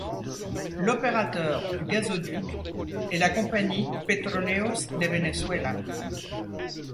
L'opérateur du gazoduc est la compagnie Petróleos de Venezuela.